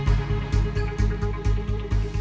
พวกมันกำลังพูดได้